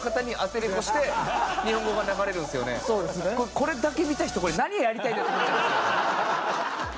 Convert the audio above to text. これだけ見た人これ何やりたいんだ！？って思っちゃいますよ。